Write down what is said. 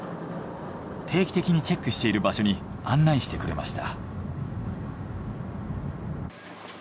定期的にチェックしている場所に案内してくれました。